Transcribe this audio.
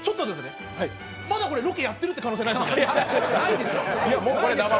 まだこれロケやってるって可能性ないですか？